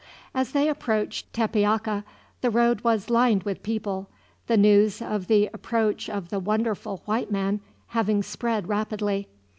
As they approached Tepeaca the road was lined with people, the news of the approach of the wonderful white man having spread rapidly.